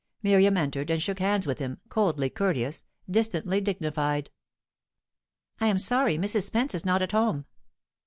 Miriam entered, and shook hands with him, coldly courteous, distantly dignified. "I am sorry Mrs. Spence is not at home."